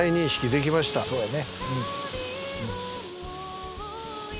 そうやね。